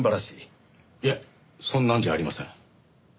いえそんなんじゃありません。